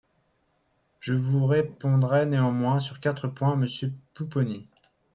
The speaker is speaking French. Je vous répondrez néanmoins sur quatre points, monsieur Pupponi.